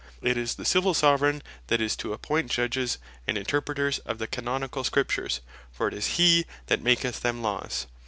It is the Civill Soveraign, that is to appoint Judges, and Interpreters of the Canonicall Scriptures; for it is he that maketh them Laws.